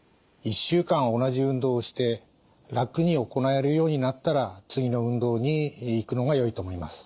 １週間同じ運動をして楽に行えるようになったら次の運動にいくのがよいと思います。